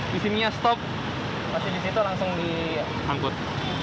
di sininya stop masih di situ langsung diangkut